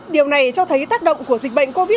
điều này cho thấy tác động của dịch bệnh khó khăn hơn